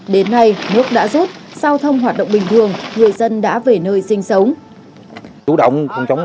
đến nay nước đã rút giao thông hoạt động bình thường người dân đã về nơi sinh sống